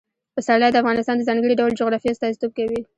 پسرلی د افغانستان د ځانګړي ډول جغرافیه استازیتوب کوي.